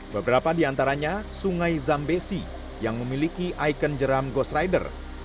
beberapa di antaranya sungai zambesi yang memiliki ikon jeram ghost rider